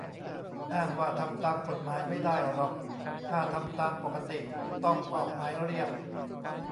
อ้างว่าทำตามกฎหมายไม่ได้หรอก ถ้าทำตามปกติต้องออกหมายเรียก